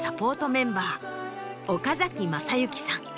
メンバー岡崎昌幸さん。